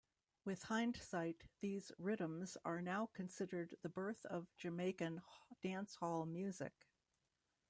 With hindsight these riddims are now considered the birth of Jamaican dancehall music.